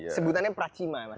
sebutannya pracima mas ya